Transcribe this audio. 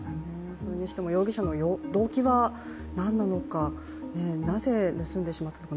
それにしても容疑者の動機はなんなのかなぜ盗んでしまったのか